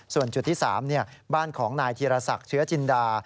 ส่วนจุดที่๓บ้านของนายธีรศักดิ์เชื้อจินดา